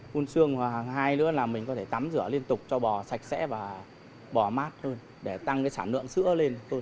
phun sương hoặc hai nữa là mình có thể tắm rửa liên tục cho bò sạch sẽ và bò mát hơn để tăng cái sản lượng sữa lên